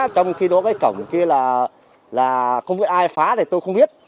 trong khi đó với cổng kia là không biết ai phá thì tôi không biết